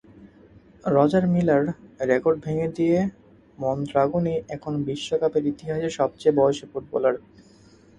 Roger Miller record ভেঙে দিয়ে মনদ্রাগনই এখন বিশ্বকাপের ইতিহাসে সবচেয়ে বয়সী ফুটবলার।